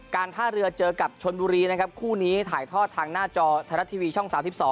ท่าเรือเจอกับชนบุรีนะครับคู่นี้ถ่ายทอดทางหน้าจอไทยรัฐทีวีช่อง๓๒